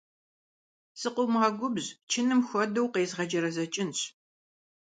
Скъомгъэгубжь, чыным хуэдэу укъезгъэджэрэзэкӏынщ!